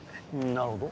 なるほど。